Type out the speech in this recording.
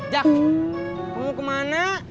jak kamu ke mana